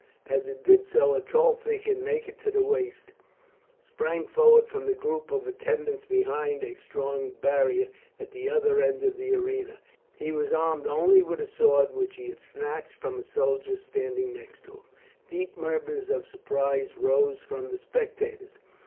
As it did so a tall figure, naked to the waist, sprang forward from the group of attendants behind a strong barrier at the other end of the arena. He was armed only with a sword which he had snatched from a soldier standing next to him. Deep murmurs of surprise rose from the spectators.